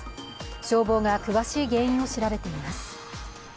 消防が詳しい原因を調べています。